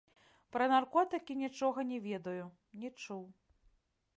Пра наркотыкі нічога не ведаю, не чуў.